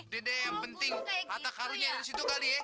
dede yang penting mata karunya ada di situ kali ya